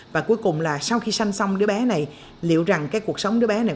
và cuối cùng là sau khi sanh xong đứa bé này liệu rằng cuộc sống đứa bé này